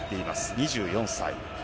２４歳。